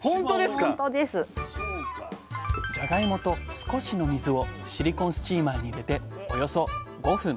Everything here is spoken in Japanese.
じゃがいもと少しの水をシリコンスチーマーに入れておよそ５分。